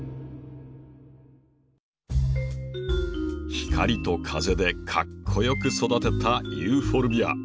光と風でかっこよく育てたユーフォルビア。